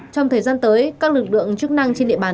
trong thời gian tới các lực lượng chức năng trên địa bàn